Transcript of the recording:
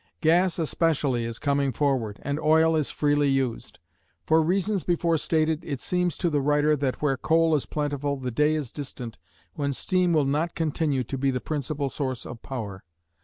Gas especially is coming forward, and oil is freely used. For reasons before stated, it seems to the writer that, where coal is plentiful, the day is distant when steam will not continue to be the principal source of power.